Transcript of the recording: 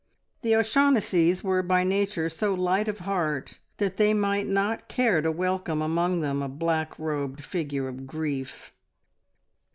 The O'Shaughnessys were by nature so light of heart that they might not care to welcome among them a black robed figure of grief!